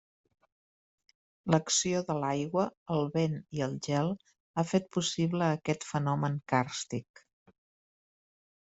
L'acció de l'aigua, el vent i el gel, ha fet possible aquest fenomen càrstic.